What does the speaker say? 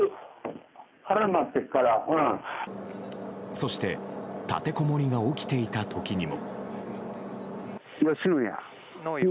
そして、立てこもりが起きていた時にも。